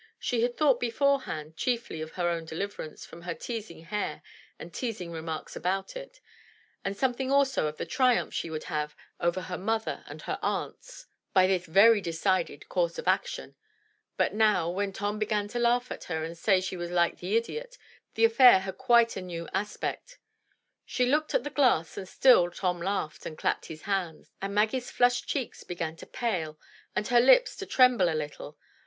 She had thought before hand chiefly of her own deliverance from her teasing hair and teasing remarks about it, and something also of the triumph she would have over her mother and her aunts by this very de 223 MY BOOK HOUSE cided course of action. But now, when Tom began to laugh at her and say she was hke the idiot, the affair had quite a new aspect. She looked in the glass and still Tom laughed and clapped his hands, and Maggie*s flushed cheeks began to pale and her lips to tremble a little.